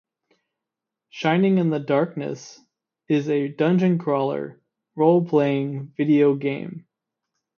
"Shining in the Darkness" is a "dungeon-crawler" role-playing video game.